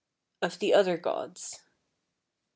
OF THE OTHER GODS. 27.